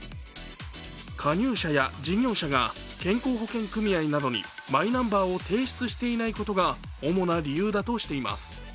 加入者や事業者が健康保険組合などにマイナンバーを提出していないことが主な理由だとしています。